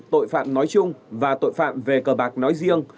tội phạm nói chung và tội phạm về cờ bạc nói riêng